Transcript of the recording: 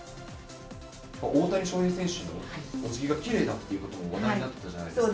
大谷翔平選手のおじぎがきれいだっていうことが話題になってたじゃないですか。